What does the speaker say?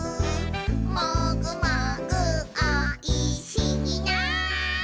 「もぐもぐおいしいな」